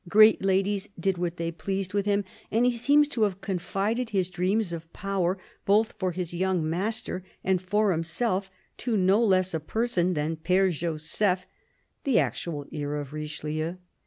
Great ladies did what they pleased with him ; and he seems to have confided his dreams of power, both for his young master and for himself, to no less a person than Pfere Joseph, the actual ear of Richelieu.